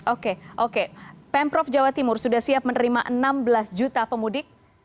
oke oke pemprov jawa timur sudah siap menerima enam belas juta pemudik